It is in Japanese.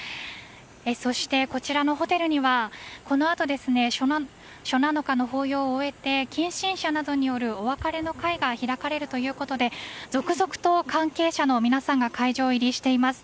そして、こちらのホテルにはこのあと初七日の法要を終えて近親者などによるお別れの会が開かれるということで続々と関係者の皆さんが会場入りしています。